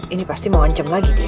ini pasti mau ancam lagi dia